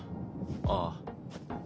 ああ。